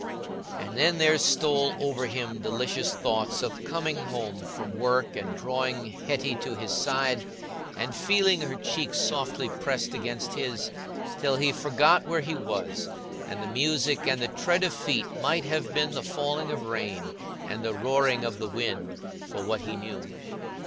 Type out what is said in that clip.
And then there stole over him delicious thoughts of coming home from work, and drawing Hetty to his side, and feeling her cheek softly pressed against his, till he forgot where he was, and the music and the tread of feet might have been the falling of rain and the roaring of the wind, for what he knew.